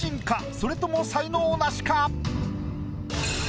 それとも才能ナシか？